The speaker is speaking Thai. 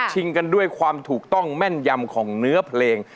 กันด้วยความถูกต้องแม่นยำของเนื้อเพลง